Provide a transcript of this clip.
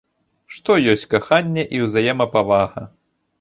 Што ёсць каханне і ўзаемапавага?